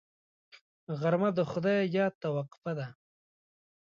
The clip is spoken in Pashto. غرمه د خدای یاد ته وقفه ده